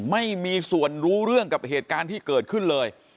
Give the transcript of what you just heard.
ไม่มีส่วนรู้เรื่องกับเหตุการณ์ที่เกิดขึ้นเลย